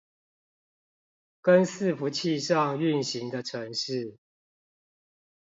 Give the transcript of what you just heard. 跟伺服器上運行的程式